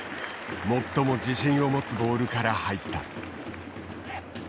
最も自信を持つボールから入った。